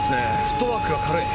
フットワークが軽い。